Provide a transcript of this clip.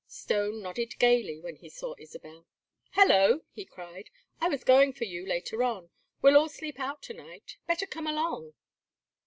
Stone nodded gayly when he saw Isabel. "Hallo!" he cried. "I was going for you later on. We'll all sleep out to night. Better come along."